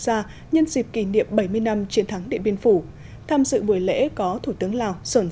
gia nhân dịp kỷ niệm bảy mươi năm chiến thắng điện biên phủ tham dự buổi lễ có thủ tướng lào sần